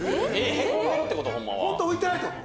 へこんでるってこと？